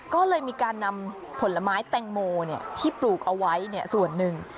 ก็เลยมีการนำผลไม้แตงโมที่ปลูกเอาไว้ส่วนหนึ่ง